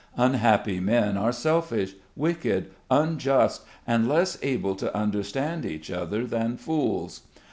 Unhappy men are selfish, wicked, unjust, and less able to understand each other than fools.